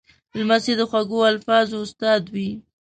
لمسی د خوږو الفاظو استاد وي.